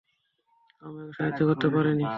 আমি ওকে সাহায্য করতে পারিনি।